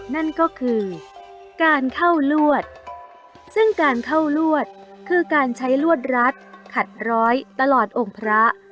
นั่นก็คือการเข้าลวดซึ่งการเข้าลวดคือการใช้ลวดรัดขัดร้อยตลอดองค์พระ